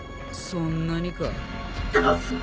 そんなにか。